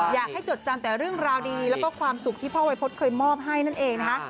จดจำแต่เรื่องราวดีแล้วก็ความสุขที่พ่อวัยพฤษเคยมอบให้นั่นเองนะคะ